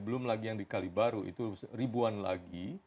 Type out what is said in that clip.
belum lagi yang di kalibaru itu ribuan lagi